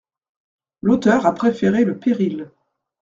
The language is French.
L’auteur a préféré le péril.